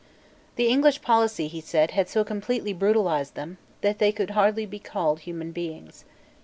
The English policy, he said, had so completely brutalised them, that they could hardly be called human beings.